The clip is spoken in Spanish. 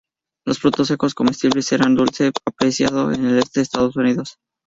Los frutos secos, comestibles, eran un dulce apreciado en el este de Estados Unidos.